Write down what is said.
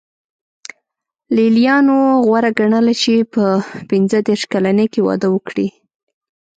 لېلیانو غوره ګڼله په پنځه دېرش کلنۍ کې واده وکړي.